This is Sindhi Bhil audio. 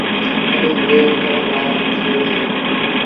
تڏهيݩ وهير ڪرڻ ري لآئيڪ ٿئي وهي دو